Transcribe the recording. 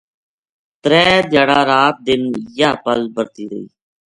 ترے دھیاڑا رات دن یاہ پَل بَرہتی رہی